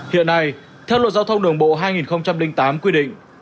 hiện nay theo luật giao thông đường bộ hai nghìn tám quy định